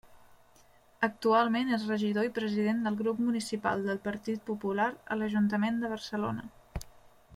Actualment és regidor i president del grup municipal del Partit Popular a l'Ajuntament de Barcelona.